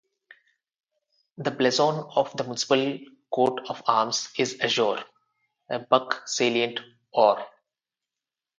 The blazon of the municipal coat of arms is Azure, a Buck salient Or.